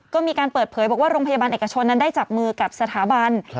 ก็มีการเปิดเผยบอกว่าโรงพยาบาลเอกชนนั้นได้จับมือกับสถาบัน